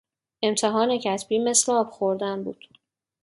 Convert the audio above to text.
امتحان کتبی مثل آب خوردن بود.